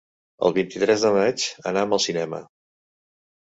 El vint-i-tres de maig anam al cinema.